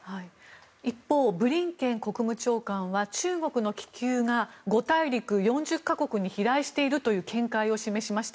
一方ブリンケン国務長官は中国の気球が５大陸４０か国に飛来しているという見解を示しました。